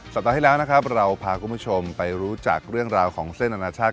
สัปดาห์ที่แล้วนะครับเราพาคุณผู้ชมไปรู้จักเรื่องราวของเส้นอนาชาติ